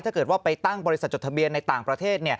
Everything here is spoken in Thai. ถ้าเกิดว่าไปตั้งบริษัทจดทะเบียนในต่างประเทศ